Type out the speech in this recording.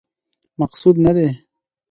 مقصود نه دی.